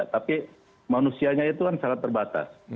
tapi manusianya itu kan sangat terbatas